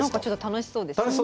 楽しそうですよね。